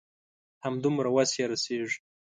همدومره وس يې رسيږي.